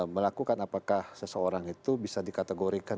melakukan apakah seseorang itu bisa dikategorikan